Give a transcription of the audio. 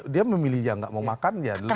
dia memilih yang nggak mau makan ya lebih banyak